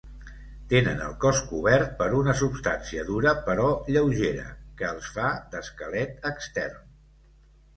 Tenen el cos cobert per una substància dura però lleugera que els fa d'esquelet extern.